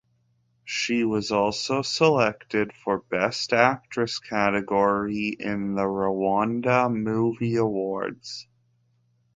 She was also selected for Best Actress category in the Rwanda Movie Awards.